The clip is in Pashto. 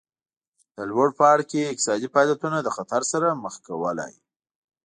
د لوړ پاړکي اقتصادي فعالیتونه له خطر سره مخ کولې